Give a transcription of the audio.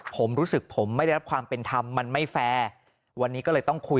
ผมรู้สึกผมไม่ได้รับความเป็นธรรมมันไม่แฟร์วันนี้ก็เลยต้องคุย